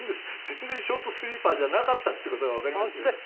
全然ショートスリーパーじゃなかったって事がわかりましたけどね。